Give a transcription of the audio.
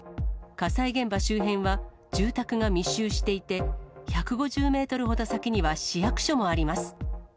火災現場周辺は住宅が密集していて、１５０メートルほど先には市役所もあります。